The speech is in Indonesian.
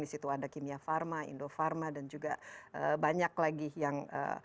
di situ ada kimia pharma indofarma dan juga banyak lagi yang